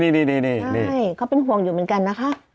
นี่เขาเป็นห่วงอยู่เหมือนกันนะคะ